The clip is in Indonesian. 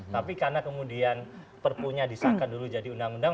tapi karena kemudian perpunya disahkan dulu jadi undang undang